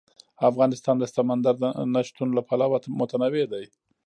افغانستان د سمندر نه شتون له پلوه متنوع دی.